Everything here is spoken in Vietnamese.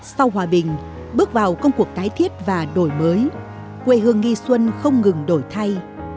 sau hòa bình bước vào công cuộc tái thiết và đổi mới quê hương nghi xuân không ngừng đổi thay